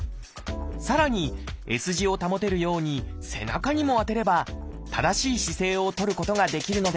さらにＳ字を保てるように背中にも当てれば正しい姿勢をとることができるのです。